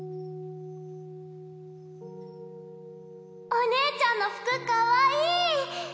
お姉ちゃんの服かわいい！